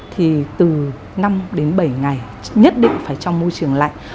thì từ năm đến bảy ngày nhất định phải trong môi trường lạnh